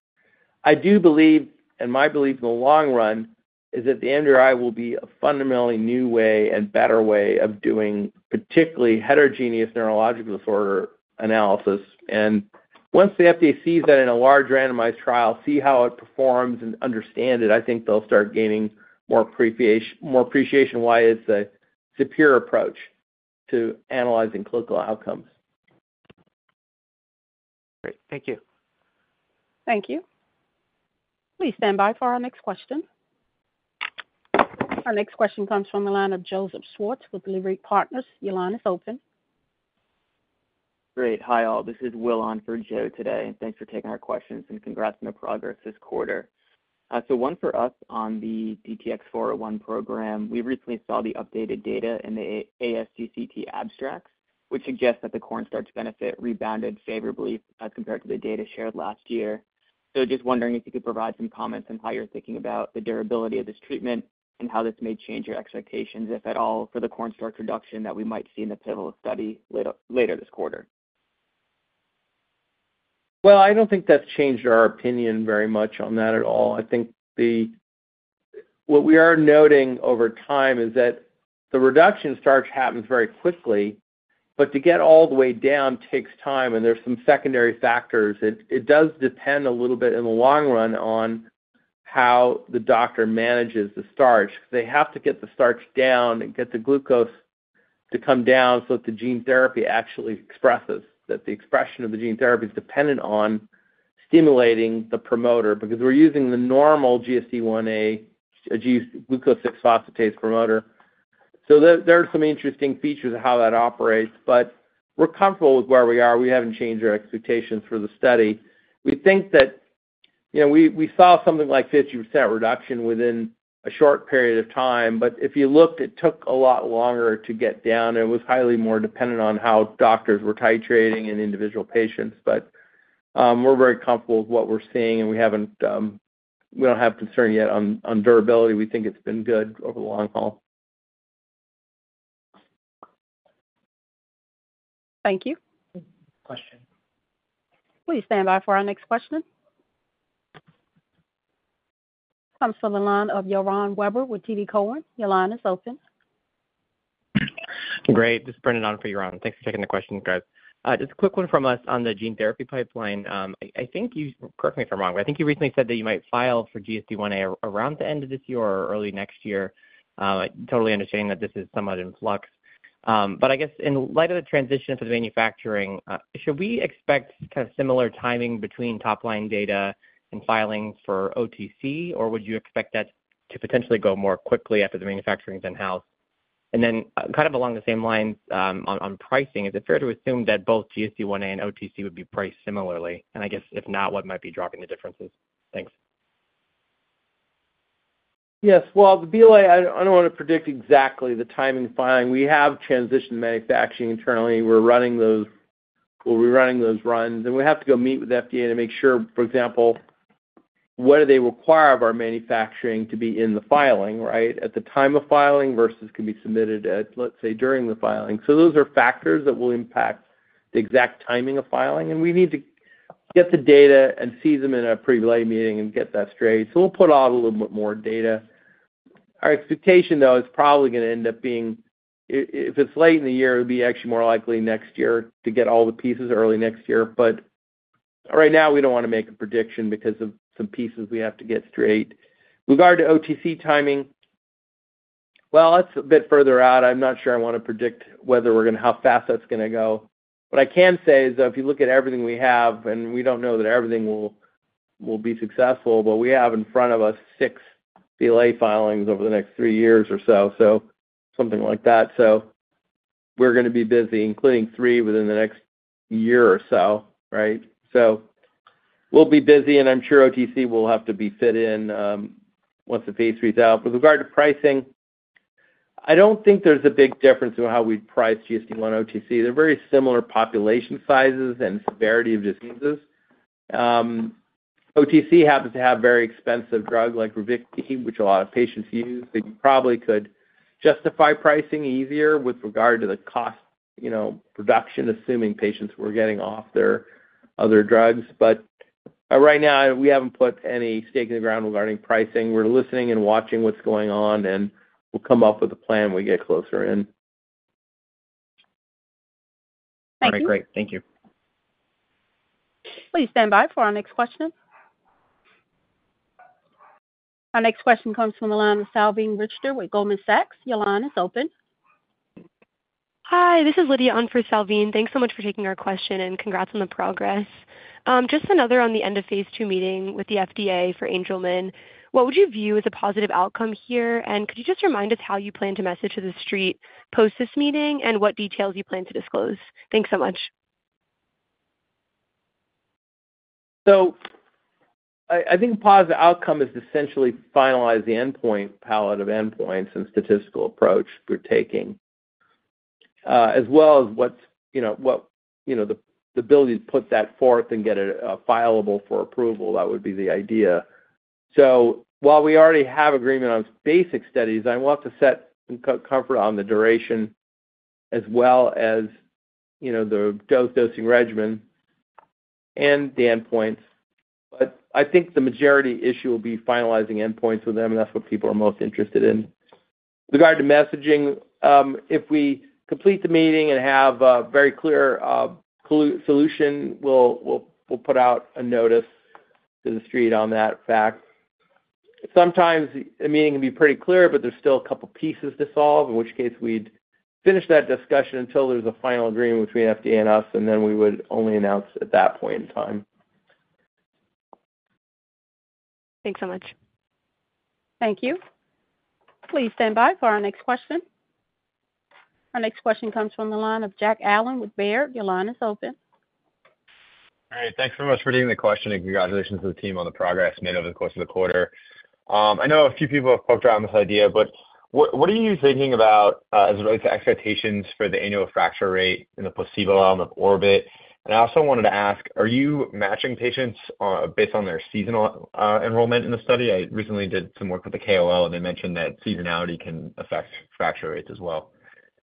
I do believe, and my belief in the long run, is that the MDRI will be a fundamentally new way and better way of doing, particularly heterogeneous neurological disorder analysis. Once the FDA sees that in a large randomized trial, see how it performs and understand it, I think they'll start gaining more appreciation why it's a superior approach to analyzing clinical outcomes. Great. Thank you. Thank you. Please stand by for our next question. Our next question comes from the line of Joseph Schwartz with Leerink Partners. Your line is open. Great. Hi, all. This is Will on for Joe today. Thanks for taking our questions, and congrats on the progress this quarter. So one for us on the DTX401 program. We recently saw the updated data in the ASGCT abstracts, which suggests that the cornstarch benefit rebounded favorably as compared to the data shared last year. So just wondering if you could provide some comments on how you're thinking about the durability of this treatment and how this may change your expectations, if at all, for the cornstarch reduction that we might see in the pivotal study later, later this quarter. Well, I don't think that's changed our opinion very much on that at all. I think what we are noting over time is that the reduction in starch happens very quickly, but to get all the way down takes time, and there's some secondary factors. It, it does depend a little bit in the long run on how the doctor manages the starch. They have to get the starch down and get the glucose to come down so that the gene therapy actually expresses, that the expression of the gene therapy is dependent on stimulating the promoter, because we're using the normal GSD1a glucose-6-phosphatase promoter. So there, there are some interesting features of how that operates, but we're comfortable with where we are. We haven't changed our expectations for the study. We think that, you know, we saw something like 50% reduction within a short period of time, but if you looked, it took a lot longer to get down, and it was highly more dependent on how doctors were titrating in individual patients. But, we're very comfortable with what we're seeing, and we haven't, we don't have concern yet on durability. We think it's been good over the long haul. Thank you. Question. Please stand by for our next question. Comes from the line of Yaron Werber with TD Cowen. Your line is open. Great. This is Brendan on for Yaron. Thanks for taking the question, guys. Just a quick one from us on the gene therapy pipeline. I think you, correct me if I'm wrong, but I think you recently said that you might file for GSD1A around the end of this year or early next year. I totally understand that this is somewhat in flux. But I guess in light of the transition to the manufacturing, should we expect kind of similar timing between top-line data and filings for OTC, or would you expect that to potentially go more quickly after the manufacturing is in-house? And then, kind of along the same lines, on pricing, is it fair to assume that both GSD1A and OTC would be priced similarly? And I guess, if not, what might be driving the differences? Thanks. Yes. Well, the BLA, I, I don't want to predict exactly the timing filing. We have transitioned manufacturing internally. We're running those- we're rerunning those runs, and we have to go meet with FDA to make sure, for example, what do they require of our manufacturing to be in the filing, right? At the time of filing versus can be submitted at, let's say, during the filing. So those are factors that will impact the exact timing of filing, and we need to get the data and see them in a pretty late meeting and get that straight. So we'll put out a little bit more data. Our expectation, though, is probably gonna end up being i- if it's late in the year, it would be actually more likely next year to get all the pieces early next year. But right now, we don't want to make a prediction because of some pieces we have to get straight. With regard to OTC timing, well, that's a bit further out. I'm not sure I want to predict whether we're gonna how fast that's gonna go. What I can say is that if you look at everything we have, and we don't know that everything will be successful, but we have in front of us six BLA filings over the next three years or so, so something like that. So we're gonna be busy, including three within the next year or so, right? So we'll be busy, and I'm sure OTC will have to be fit in once the phase III is out. With regard to pricing, I don't think there's a big difference in how we'd price GSD1 OTC. They're very similar population sizes and severity of diseases. OTC happens to have very expensive drug like Ravicti, which a lot of patients use. They probably could justify pricing easier with regard to the cost, you know, production, assuming patients were getting off their other drugs. But right now, we haven't put any stake in the ground regarding pricing. We're listening and watching what's going on, and we'll come up with a plan when we get closer in. Thank you. All right, great. Thank you. Please stand by for our next question. Our next question comes from the line of Salveen Richter with Goldman Sachs. Your line is open. Hi, this is Lydia on for Salveen. Thanks so much for taking our question, and congrats on the progress. Just another on the end-of-phase II meeting with the FDA for Angelman. What would you view as a positive outcome here? And could you just remind us how you plan to message to the street post this meeting and what details you plan to disclose? Thanks so much. So I think a positive outcome is to essentially finalize the endpoint, palette of endpoints and statistical approach we're taking, as well as what's, you know, what, you know, the ability to put that forth and get it fileable for approval. That would be the idea. So while we already have agreement on basic studies, I want to set some comfort on the duration as well as, you know, the dose dosing regimen and the endpoints. But I think the majority issue will be finalizing endpoints with them, and that's what people are most interested in. With regard to messaging, if we complete the meeting and have a very clear solution, we'll put out a notice to the street on that fact. Sometimes a meeting can be pretty clear, but there's still a couple pieces to solve, in which case we'd finish that discussion until there's a final agreement between FDA and us, and then we would only announce at that point in time. Thanks so much. Thank you. Please stand by for our next question. Our next question comes from the line of Jack Allen with Baird. Your line is open. All right, thanks so much for taking the question, and congratulations to the team on the progress made over the course of the quarter. I know a few people have poked around this idea, but what, what are you thinking about, as it relates to expectations for the annual fracture rate in the placebo arm of ORBIT? And I also wanted to ask, are you matching patients, based on their seasonal, enrollment in the study? I recently did some work with the KOL, and they mentioned that seasonality can affect fracture rates as well.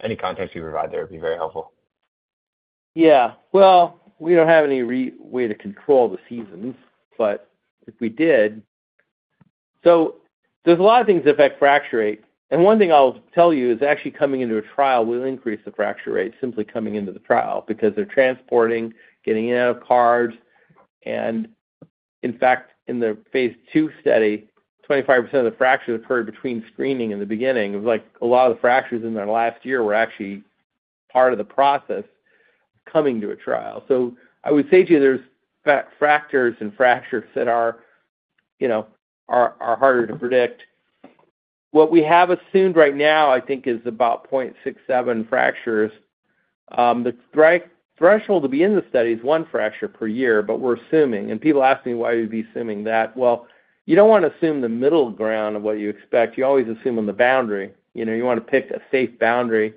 Any context you provide there would be very helpful. Yeah. Well, we don't have any real way to control the seasons, but if we did... So there's a lot of things that affect fracture rate, and one thing I'll tell you is actually coming into a trial will increase the fracture rate, simply coming into the trial, because they're transporting, getting in and out of cars, and in fact, in the phase II study, 25% of the fractures occurred between screening in the beginning. It was like a lot of the fractures in their last year were actually part of the process coming to a trial. So I would say to you, there's fractures and fractures that are, you know, are harder to predict. What we have assumed right now, I think, is about 0.67 fractures. The threshold to be in the study is one fracture per year, but we're assuming, and people ask me, "Why would you be assuming that?" Well, you don't want to assume the middle ground of what you expect. You always assume on the boundary. You know, you want to pick a safe boundary.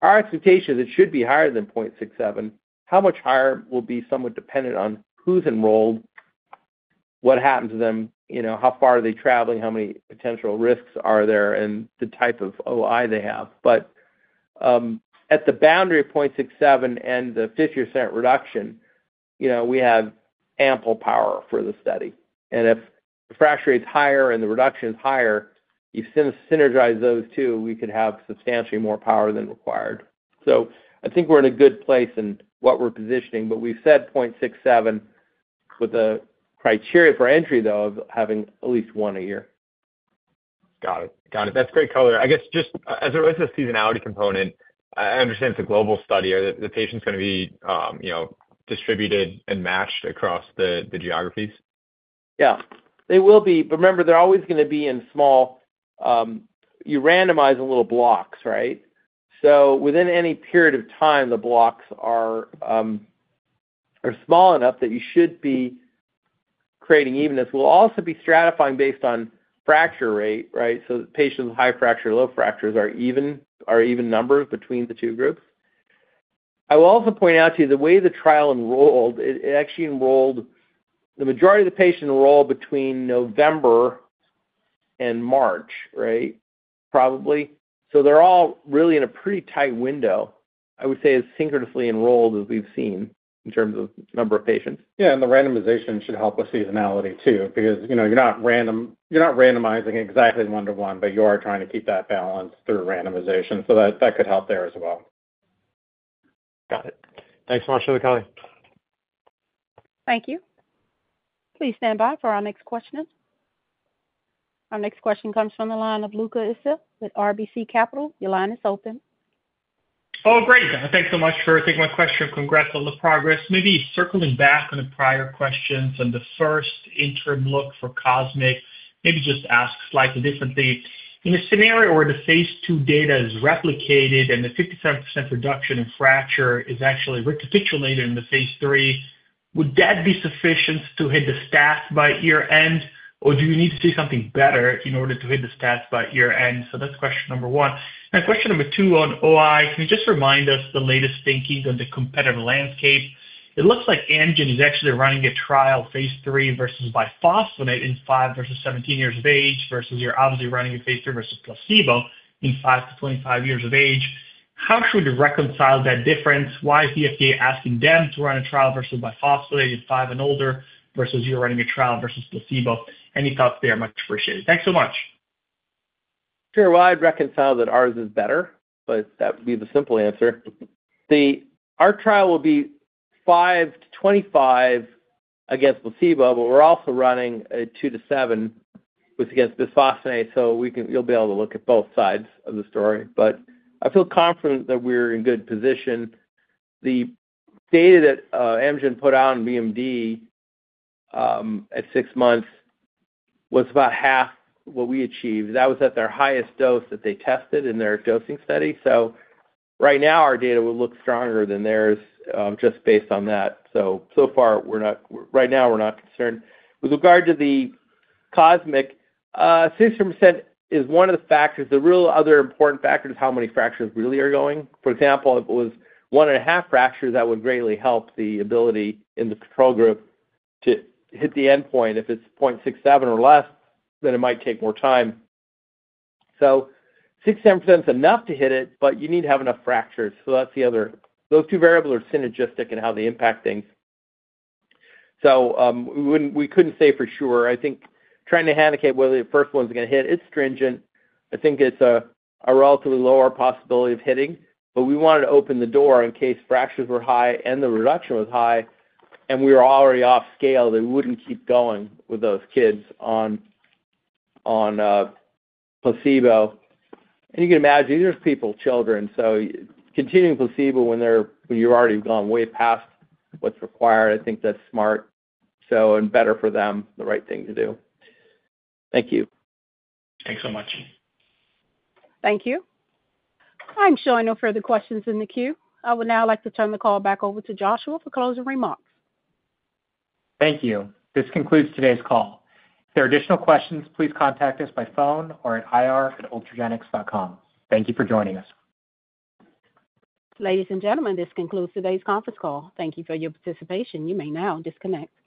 Our expectation is it should be higher than 0.67. How much higher will be somewhat dependent on who's enrolled, what happened to them, you know, how far are they traveling, how many potential risks are there, and the type of OI they have. But, at the boundary of 0.67 and the 50% reduction, you know, we have ample power for the study, and if the fracture rate's higher and the reduction is higher, you synergize those two, we could have substantially more power than required. I think we're in a good place in what we're positioning, but we've said 0.67, with the criteria for entry, though, of having at least one a year. Got it. Got it. That's great color. I guess, just as it relates to seasonality component, I understand it's a global study. Are the patients gonna be, you know, distributed and matched across the geographies? Yeah, they will be. But remember, they're always gonna be in small, you randomize in little blocks, right? So within any period of time, the blocks are, are small enough that you should be creating evenness. We'll also be stratifying based on fracture rate, right? So the patients with high fracture, low fractures are even numbers between the two groups. I will also point out to you, the way the trial enrolled, it actually enrolled the majority of the patients between November and March, right? Probably. So they're all really in a pretty tight window. I would say as synchronously enrolled as we've seen in terms of number of patients. Yeah, and the randomization should help with seasonality, too, because, you know, you're not randomizing exactly one to one, but you are trying to keep that balance through randomization, so that, that could help there as well. Got it. Thanks so much for the color. Thank you. Please stand by for our next questioner. Our next question comes from the line of Luca Issi with RBC Capital. Your line is open. Oh, great. Thanks so much for taking my question. Congrats on the progress. Maybe circling back on the prior questions on the first interim look for COSMIC, maybe just ask slightly differently. In a scenario where the phase II data is replicated and the 57% reduction in fracture is actually recapitulated in the phase III, would that be sufficient to hit the stats by year end, or do you need to see something better in order to hit the stats by year end? So that's question number one. Now, question number two on OI, can you just remind us the latest thinking on the competitive landscape? It looks like Amgen is actually running a trial, phase III, versus bisphosphonate in 5-17 years of age, versus you're obviously running a phase III versus placebo in 5-25 years of age. How should we reconcile that difference? Why is the FDA asking them to run a trial versus bisphosphonate in five and older, versus you're running a trial versus placebo? Any thoughts there are much appreciated. Thanks so much. Sure. Well, I'd reconcile that ours is better, but that would be the simple answer. Our trial will be 5-25 against placebo, but we're also running a 2-7 against bisphosphonate, so you'll be able to look at both sides of the story. But I feel confident that we're in good position. The data that Amgen put out on BMD at 6 months was about half what we achieved. That was at their highest dose that they tested in their dosing study. So right now, our data will look stronger than theirs, just based on that. So, so far, right now, we're not concerned. With regard to the COSMIC, 67% is one of the factors. The real other important factor is how many fractures really are going. For example, if it was 1.5 fractures, that would greatly help the ability in the control group to hit the endpoint. If it's 0.67 or less, then it might take more time. So 67%'s enough to hit it, but you need to have enough fractures, so that's the other... Those two variables are synergistic in how they impact things. So, we wouldn't-- we couldn't say for sure. I think trying to handicap whether the first one's gonna hit, it's stringent. I think it's a relatively lower possibility of hitting, but we wanted to open the door in case fractures were high and the reduction was high, and we were already off scale, that we wouldn't keep going with those kids on, on, placebo. You can imagine, these are people's children, so continuing placebo when you're already gone way past what's required, I think that's smart, so, and better for them, the right thing to do. Thank you. Thanks so much. Thank you. I'm showing no further questions in the queue. I would now like to turn the call back over to Joshua for closing remarks. Thank you. This concludes today's call. If there are additional questions, please contact us by phone or at ir@ultragenyx.com. Thank you for joining us. Ladies and gentlemen, this concludes today's conference call. Thank you for your participation. You may now disconnect.